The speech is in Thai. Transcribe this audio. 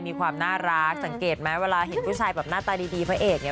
มีความน่ารักสังเกตไหมเวลาเห็นผู้ชายแบบหน้าตาดีพระเอกเนี่ย